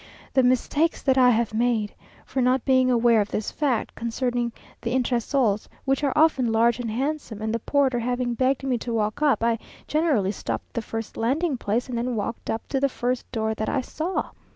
The mistakes that I have made! for not being aware of this fact concerning the entresols, which are often large and handsome, and the porter having begged me to walk up, I generally stopped at the first landing place, and then walked up to the first door that I saw.